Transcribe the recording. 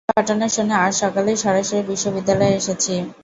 ঘটনা শুনে আজ সকালেই সরাসরি বিশ্ববিদ্যালয়ে এসেছি।